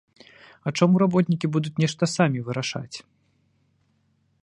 А чаму работнікі будуць нешта самі вырашаць?